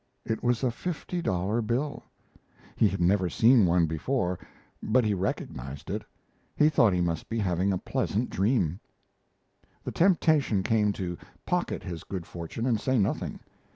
It was a fifty dollar bill. He had never seen one before, but he recognized it. He thought he must be having a pleasant dream. The temptation came to pocket his good fortune and say nothing.